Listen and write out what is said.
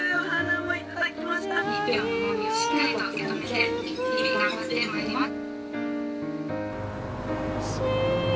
１票の重みをしっかりと受け止めて日々頑張ってまいります。